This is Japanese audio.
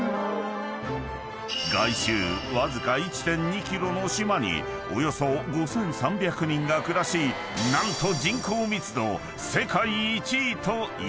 ［外周わずか１．２ｋｍの島におよそ５，３００人が暮らし何と人口密度世界１位といわれたほど］